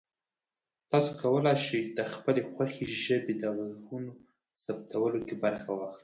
تاسو کولی شئ د خپلې خوښې ژبې د غږونو ثبتولو کې برخه واخلئ.